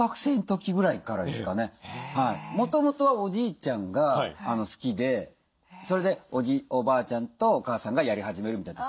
もともとはおじいちゃんが好きでそれでおばあちゃんとお母さんがやり始める。